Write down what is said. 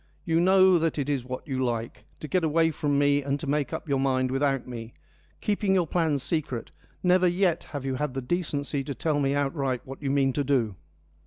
You know that is what you like, to get away from me and to make up your mind without me, keeping your plans secret : never yet have you had the decency to tell me outright what you mean to do.